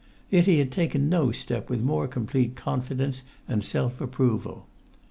Yet he had taken no step with more complete confidence and self approval.